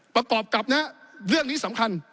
ประกอบกับเรื่องนี้สำคัญ